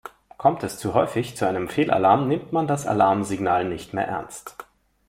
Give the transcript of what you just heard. Kommt es zu häufig zu einem Fehlalarm, nimmt man das Alarmsignal nicht mehr ernst.